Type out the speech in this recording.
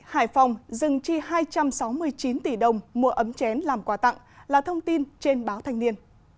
hải phòng dừng chi hai trăm sáu mươi chín tỷ đồng mua ấm chén làm quà tặng là thông tin trên báo thanh niên